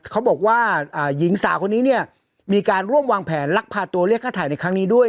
เขาบอกว่าหญิงสาวคนนี้เนี่ยมีการร่วมวางแผนลักพาตัวเรียกค่าถ่ายในครั้งนี้ด้วย